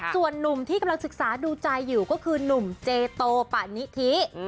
ส่วนนุ่มที่กำลังศึกษาดูใจอยู่ก็คือหนุ่มเจโตปะนิธิ